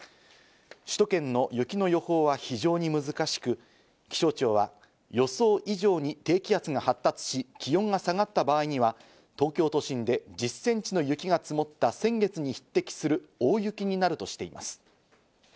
首都圏の雪の予報は非常に難しく、気象庁は予想以上に低気圧が発達し、気温が下がった場合には東京都心で１０センチの雪が積もった先月に匹敵する大雪になるとしています。